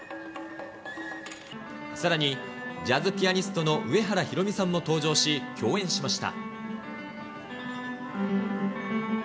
さらに、ジャズピアニストの上原ひろみさんも登場し、共演しました。